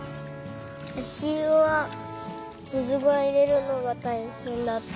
あしゆは水をいれるのがたいへんだった。